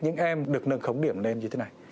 những em được nâng khống điểm lên như thế này